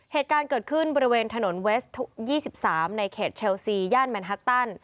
เหตุการณ์เกิดขึ้นบริเวณถนนเวส๒๓ในเขตเชลซีย่านแมนฮักตัน